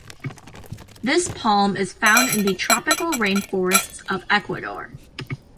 This palm is found in the tropical rainforests of Ecuador.